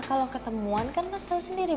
kalau ketemuan kan pasti tahu sendiri